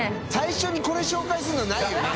能蕕これ紹介するのないよね。